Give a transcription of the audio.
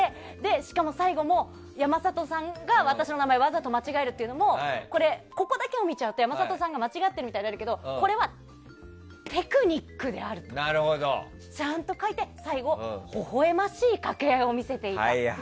しかも最後も山里さんが私の名前をわざと間違えるっていうのもここだけを見ちゃうと山里さんが間違ってるみたいになるけどこれは、テクニックであるとちゃんと書いて、最後ほほ笑ましい掛け合いを見せていたと。